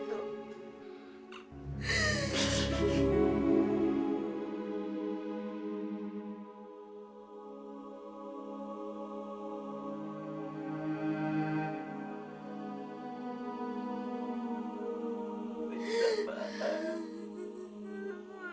tuk mau beritahu mak